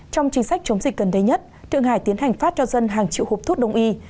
trong chính sách chống dịch gần đây nhất thượng hải tiến hành phát cho dân hàng triệu hộp thuốc đông y